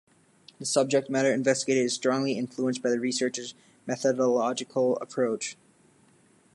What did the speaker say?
The subject matter investigated is strongly influenced by the researcher's methodological approach.